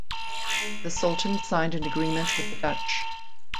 The Sultan signed an agreement with the Dutch.